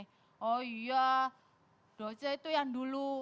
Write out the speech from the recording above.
oh iya doce itu yang dulu yang dulu aneh